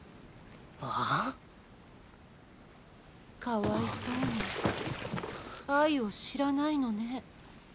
かわいそうに愛を知らないのね。